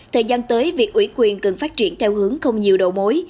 thời gian tới việc ủy quyền cần phát triển theo hướng không nhiều đầu mối